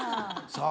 さあ